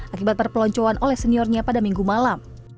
akibat perpeloncoan oleh seniornya pada minggu malam